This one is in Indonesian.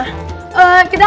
kita ke kamar dulu ya